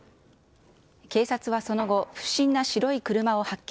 警察はその後、不審な白い車を発見。